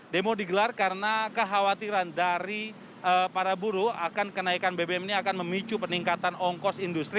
demo digelar karena kekhawatiran dari para buruh akan kenaikan bbm ini akan memicu peningkatan ongkos industri